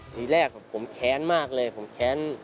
ทีแรกผมแค้นมากเลยผมแค้น